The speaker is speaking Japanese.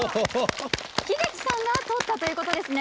英樹さんが取ったということですね。